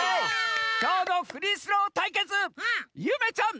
きょうのフリースローたいけつゆめちゃん